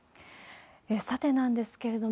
さてなんですけれども、